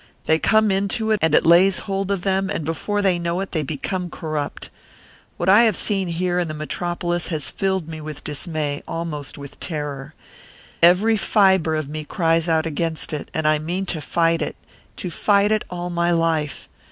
They come into it, and it lays hold of them, and before they know it, they become corrupt. What I have seen here in the Metropolis has filled me with dismay, almost with terror. Every fibre of me cries out against it; and I mean to fight it to fight it all my life.